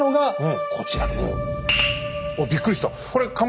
あっびっくりした。